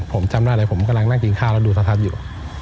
ผมจำได้เลยผมกำลังนั่งกินข้าวแล้วดูสทัศน์อยู่